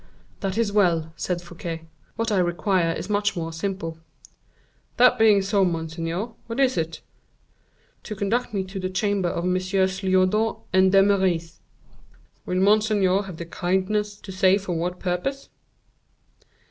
"That is well," said Fouquet; "what I require is much more simple." "That being so, monseigneur, what is it?" "To conduct me to the chamber of Messieurs Lyodot and D'Eymeris." "Will monseigneur have the kindness to say for what purpose?"